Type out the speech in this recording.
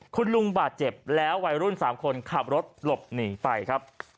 คุณลุงบาดเจ็บแล้ววัยรุ่น๓คนขับรถหลบหนีไปครับ